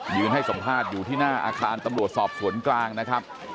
ให้สัมภาษณ์อยู่ที่หน้าอาคารตำรวจสอบสวนกลางนะครับ